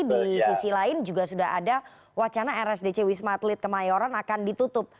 di sisi lain juga sudah ada wacana rsdc wisma atlet kemayoran akan ditutup